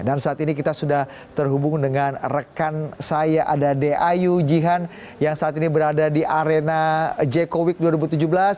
dan saat ini kita sudah terhubung dengan rekan saya ada de ayu jihan yang saat ini berada di arena j coffee week dua ribu tujuh belas